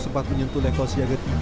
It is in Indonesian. sempat menyentuh level siaga tiga